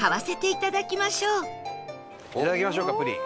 いただきましょうかプリン。